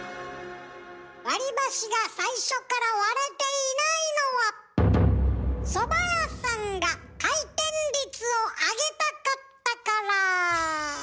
割り箸が最初から割れていないのはそば屋さんが回転率を上げたかったから。